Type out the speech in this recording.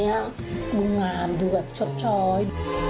เนี่ยองค์นี้มันดูแบบชดช้อย